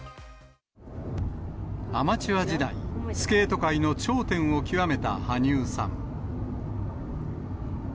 アマチュア時代、スケート界の頂点を極めた羽生さん。